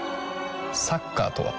サッカーとは？